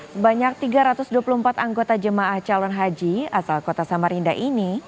sebanyak tiga ratus dua puluh empat anggota jemaah calon haji asal kota samarinda ini